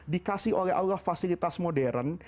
dikasih oleh allah fasilitas modern